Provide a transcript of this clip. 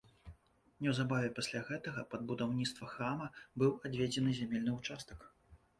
Неўзабаве пасля гэтага пад будаўніцтва храма быў адведзены зямельны ўчастак.